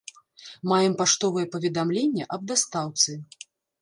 Маем паштовае паведамленне аб дастаўцы.